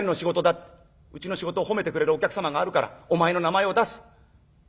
ってうちの仕事を褒めてくれるお客様があるからお前の名前を出す。